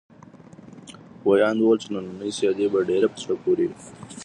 ویاند وویل چې نننۍ سیالي به ډېره په زړه پورې وي.